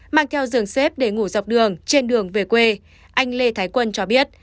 mang theo giường xếp để ngủ dọc đường trên đường về quê anh lê thái quân cho biết